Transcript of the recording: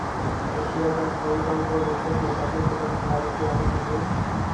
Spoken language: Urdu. ایشیا کپ ہانگ کانگ کو دلچسپ مقابلے کے بعد بھارت کے ہاتھوں شکست